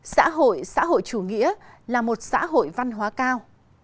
xã hội xã hội chủ nghĩa là một xã hội văn hóa cao